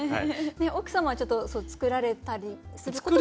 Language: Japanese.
奥様はちょっと作られたりすることも？